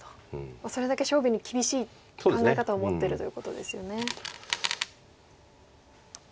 それだけ勝負に厳しい考え方を持ってるということですよね。